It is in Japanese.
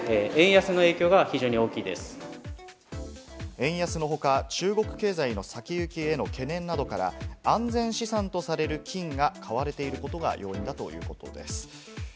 円安の他、中国経済の先行きへの懸念などから、安全資産とされる金が買われていることが要因だということです。